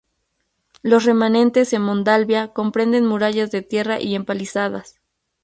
Los remanentes en Moldavia comprenden murallas de tierra y empalizadas.